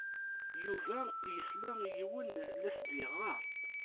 Yuba yesla i yiwen la as-d-yeɣɣar.